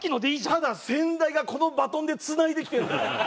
ただ先代がこのバトンでつないできてるんだよ。